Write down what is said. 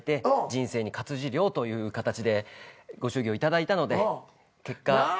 人生に勝つじ料という形でご祝儀を頂いたので結果。なあ。